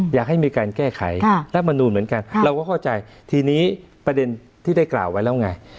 อยากให้มีการแก้ไขรัฐมนูลเหมือนกันเราก็เข้าใจทีนี้ประเด็นที่ได้กล่าวไว้แล้วไง